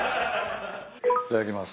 いただきます。